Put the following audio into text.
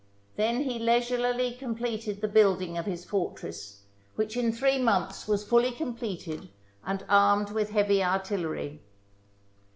Then he leisurely com pleted the building of his fortress, which in three months was fully completed and armed with heavy artillery.